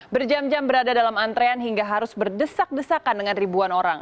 berjam jam berada dalam antrean hingga harus berdesak desakan dengan ribuan orang